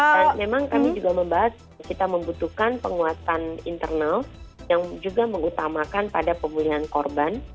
dan memang kami juga membahas kita membutuhkan penguatan internal yang juga mengutamakan pada pemulihan korban